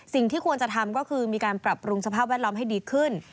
สิ่งที่ควรจะทำก็คือมีการปรับปรุงสภาพแวดล้อมให้ดีขึ้น